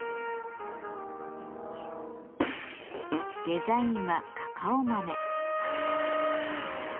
デザインはカカオ豆。